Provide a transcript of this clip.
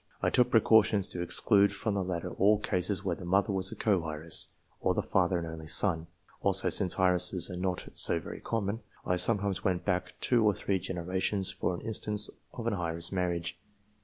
I took precautions to exclude from the latter all cases where the mother was a co heiress, or THEIR INFLUENCE UPON RACE 131 the father an only son. Also, since heiresses are not so very common, I sometimes went back two or three gene rations for an instance of an heiress marriage.